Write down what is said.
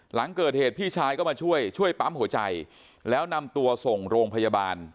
หลังเกิดเหตุพี่ชายก็มาช่วยช่วยปั๊มหัวใจแล้วนำตัวส่งโรงพยาบาล